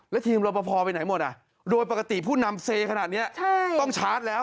แล้วทีมรบพอไปไหนหมดโดยปกติผู้นำเซขนาดนี้ต้องชาร์จแล้ว